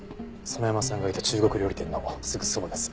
園山さんがいた中国料理店のすぐそばです。